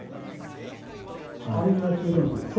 あれが駐屯地ですか？